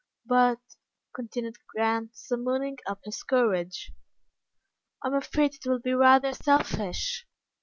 "But," continued Grant, summoning up his courage, "I am afraid it will be rather selfish."